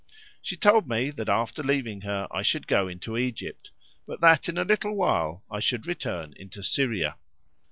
She told me that, after leaving her, I should go into Egypt, but that in a little while I should return into Syria.